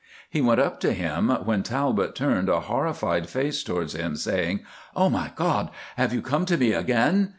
He went up to him, when Talbot turned a horrified face towards him, saying, "Oh, my God, have you come to me again?"